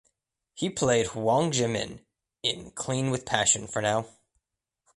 He played Hwang Jae Min in "Clean with Passion for Now".